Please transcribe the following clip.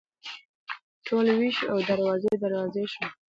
ټول ویښ او دروازې، دروازې شوه